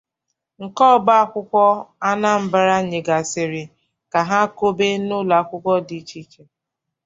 nke ọba akwụkwọ Anambra nyegasịrị ha ka ha kòbe n'ụlọakwụkwọ dị iche iche.